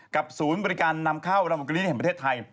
กับศูนย์บริการนำเข้าระมวงกรี๊ดให้เห็นประเทศไทย